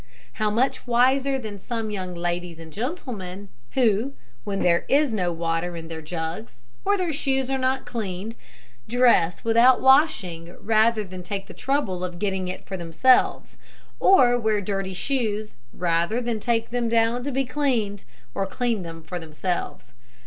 How much wiser than some young ladies and gentlemen, who, when there is no water in their jugs, or their shoes are not cleaned, dress without washing rather than take the trouble of getting it for themselves, or wear dirty shoes rather than take them down to be cleaned, or clean them for themselves.